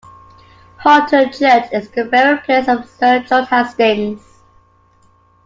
Horton church is the burial place of Sir George Hastings.